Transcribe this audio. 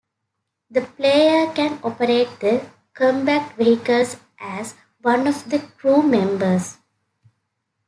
The player can operate the combat vehicles as one of the crew members.